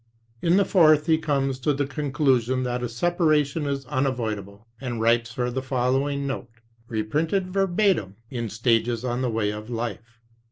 In the fourth, he comes to the conclusion that a separation is unavoidable, and writes her the following note, reprinted verbatim in Stages on the Way of Life.